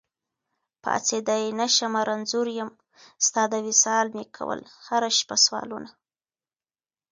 پاڅېدی نشمه رنځور يم، ستا د وصال مي کول هره شپه سوالونه